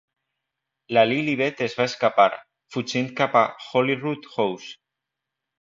La Lilibet es va escapar, fugint cap a Holyrood House.